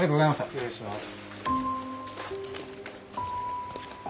失礼します。